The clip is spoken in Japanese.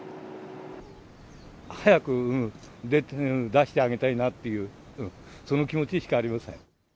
早く出してあげたいなっていう、その気持ちしかありません。